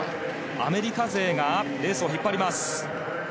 アメリカ勢がレースを引っ張ります。